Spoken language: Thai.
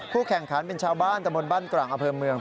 ผู้แข่งขันเป็นชาวบ้านตะบนบ้านกร่างอเผิมเมือง